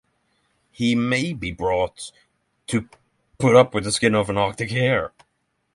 He may be brought to put up with the skin of an Arctic hare.